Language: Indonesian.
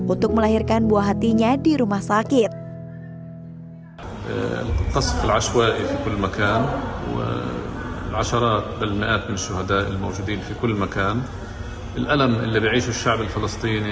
untuk melahirkan dia dia harus mencari kemampuan untuk mencari kemampuan